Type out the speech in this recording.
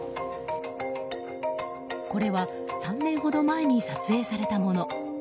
これは３年ほど前に撮影されたもの。